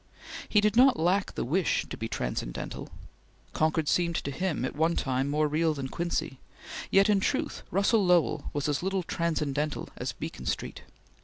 He did not lack the wish to be transcendental. Concord seemed to him, at one time, more real than Quincy; yet in truth Russell Lowell was as little transcendental as Beacon Street.